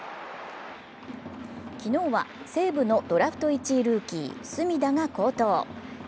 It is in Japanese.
昨日は西武のドラフト１位ルーキー・隅田が好投。